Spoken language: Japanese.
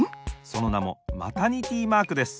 そのなもマタニティマークです。